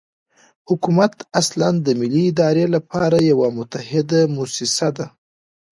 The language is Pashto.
حکومت اصلاً د ملي ادارې لپاره یوه متحده موسسه ده.